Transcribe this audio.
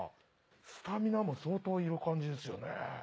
スタミナも相当いる感じですよね。